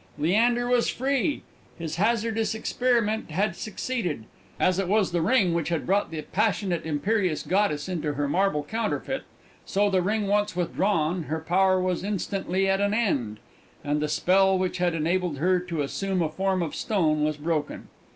Leander was free! His hazardous experiment had succeeded. As it was the ring which had brought the passionate, imperious goddess into her marble counterfeit, so the ring once withdrawn her power was instantly at an end, and the spell which had enabled her to assume a form of stone was broken.